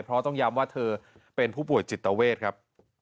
เพราะต้องย้ำว่าเธอเป็นผู้ป่วยจิตเวทครับ